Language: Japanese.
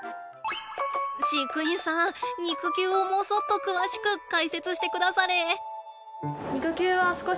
飼育員さん肉球をもそっと詳しく解説してくだされ。